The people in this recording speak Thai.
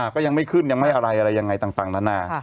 ก็ยังไม่ขึ้นยังไม่อะไรอะไรยังไงต่างนานา